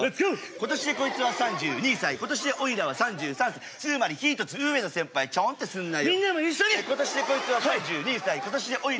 今年でこいつは３２歳今年でおいらは３３歳つまり１つ上の先輩ちょんってすんなよ